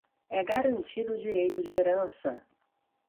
é garantido o direito de herança;